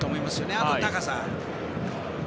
あと、高さ。